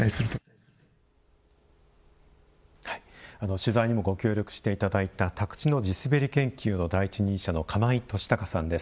取材にもご協力していただいた宅地の地すべり研究の第一人者の釜井俊孝さんです。